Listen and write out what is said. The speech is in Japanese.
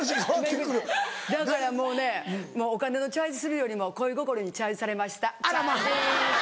だからもうねお金のチャージするよりも恋心にチャージされましたチャリン。